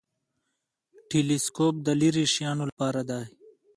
تلسکوپ د لیرې شیانو لپاره دی